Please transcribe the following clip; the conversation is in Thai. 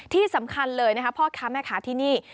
ที่สำคัญเลยนะคะพ่อค้าแม่ค้าที่นี่